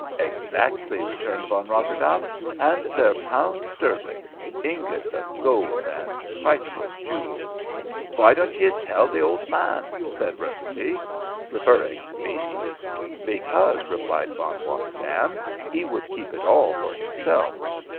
"Exactly," returned Von Rotterdaam. "And they're pounds sterling, ingots of gold, and priceless jewels." "Phwy don't yees tell the ould man?" asked Rafferty, referring to me. "Because," replied Von Rotterdaam, "he would keep it all for himself.